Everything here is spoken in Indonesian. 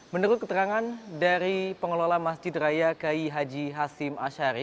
menurut keterangan dari pengelola masjid raya k i haji hasim asyari